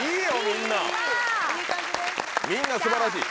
みんな素晴らしい。